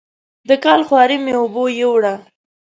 د کال خواري مې اوبو یووړه.